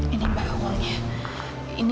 ini mbak uangnya